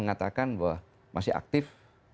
mengatakan bahwa masih aktif